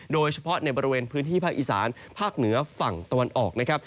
โดยเฉพาะในบริเวณพื้นที่ภาคอีสานภาคเหนือฝั่งตะวันออกนะครับ